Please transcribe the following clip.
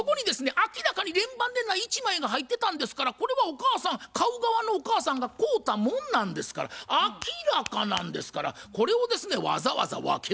明らかに連番でない１枚が入ってたんですからこれはお母さん買う側のお母さんが買うたもんなんですから明らかなんですからこれをですねわざわざ分ける？